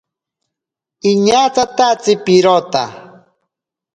Iñatatatsi pirota.